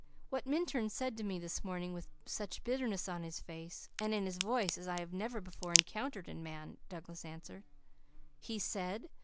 "What Minturn said to me this morning with such bitterness on his face and in his voice as I never before encountered in man," Douglas answered. "He said